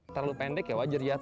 terlalu pendek ya wajar ya